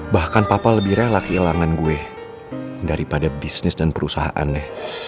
bahkan papa lebih rela kehilangan gue daripada bisnis dan perusahaannya